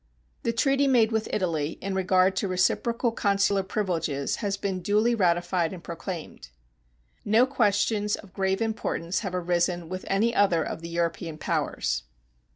The treaty made with Italy in regard to reciprocal consular privileges has been duly ratified and proclaimed. No questions of grave importance have arisen with any other of the European powers.